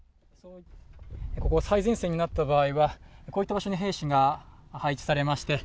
ここが最前線になった場合は、こういった場所に兵士が配置されまして、